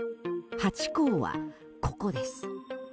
ハチ公は、ここです。